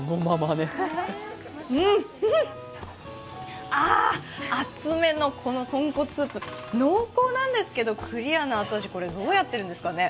うん、あー、熱めの豚骨スープ、濃厚なんですけど、クリアな味、これどうやってるんですかね？